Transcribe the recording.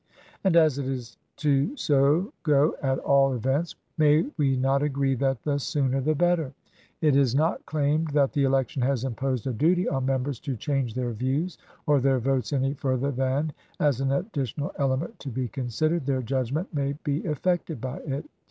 And as it is to so go at all events, may we not agree that the sooner the better ! It is not claimed that the election has imposed a duty on Members to change their views or their votes any further than, as an additional element to be considered, their judgment may be affected by it.